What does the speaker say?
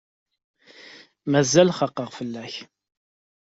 Mazal xaqeɣ fell-ak.